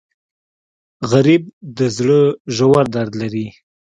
غریب د زړه ژور درد لري